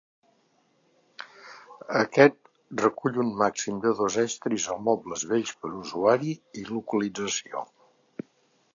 Aquest recull un màxim de dos estris o mobles vells per usuari i localització.